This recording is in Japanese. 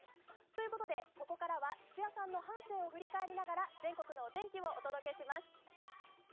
ということでここからは土屋さんの半生を振り返りながら全国のお天気をお届けします。